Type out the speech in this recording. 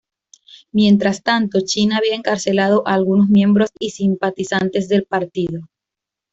Mientras tanto, China había encarcelado a algunos miembros y simpatizantes del Partido.